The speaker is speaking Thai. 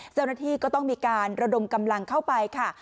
เจ้าหน้าที่ก็ต้องมีการระดมกำลังเข้าไปค่ะ